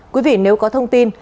quý vị nếu có thông tin